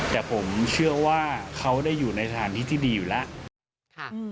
แต่ผมเชื่อว่าเขาได้อยู่ในสถานที่ที่ดีอยู่แล้ว